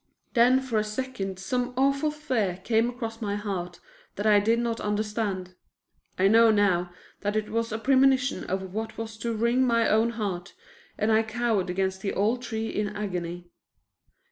Then for a second some awful fear came across my heart that I did not understand. I now know that it was a premonition of what was to wring my own heart and I cowered against the old tree in agony.